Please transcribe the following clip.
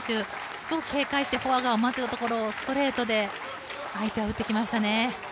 すごく警戒してフォア側を回っていたところをストレートで相手は打ってきましたね。